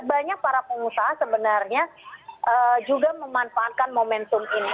banyak para pengusaha sebenarnya juga memanfaatkan momentum ini